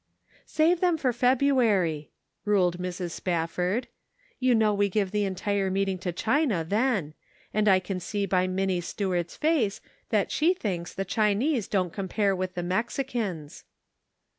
"Save them for February," ruled Mrs. Spafford ;" you know we give the entire meeting to China then; and I can see by Minnie Stuart's face that she thinks the Chinese don't compare with the Mexicans."